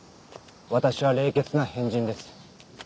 私は冷血な変人です